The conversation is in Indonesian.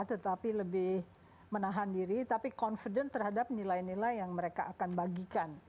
tetapi lebih menahan diri tapi confident terhadap nilai nilai yang mereka akan bagikan